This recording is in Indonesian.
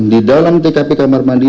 di dalam tkp kamar mandi